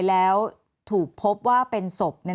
แล้วถูกพบว่าเป็นศพ